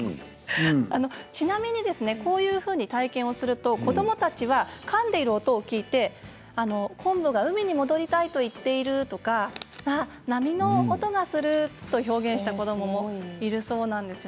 こういうふうに体験すると子どもたちはかんでいる音を聞いて昆布が海に戻りたいと言っているとか、波の音がするとか表現した子どももいるそうなんです。